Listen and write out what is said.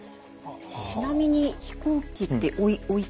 ちなみに飛行機っておいくらぐらい？